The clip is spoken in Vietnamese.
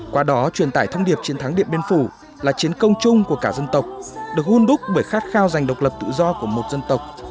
qua đó truyền tải thông điệp chiến thắng điện biên phủ là chiến công chung của cả dân tộc được hôn đúc bởi khát khao giành độc lập tự do của một dân tộc